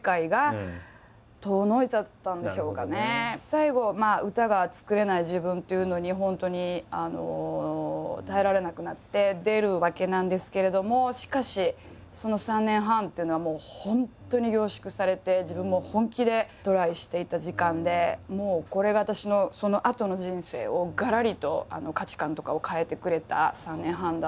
最後歌が作れない自分というのに本当に耐えられなくなって出るわけなんですけれどもしかしその３年半っていうのはもう本当に凝縮されて自分も本気でトライしていた時間でもうこれが私のそのあとの人生をがらりと価値観とかを変えてくれた３年半だったので。